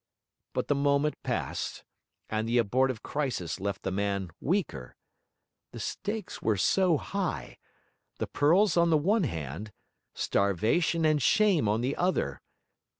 But the moment passed; and the abortive crisis left the man weaker. The stakes were so high the pearls on the one hand starvation and shame on the other.